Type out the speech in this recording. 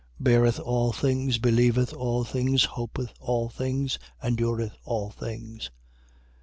Beareth all things, believeth all things, hopeth all things, endureth all things.